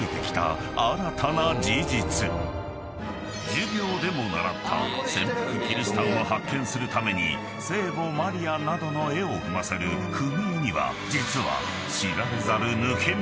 ［授業でも習った潜伏キリシタンを発見するために聖母マリアなどの絵を踏ませる踏絵には］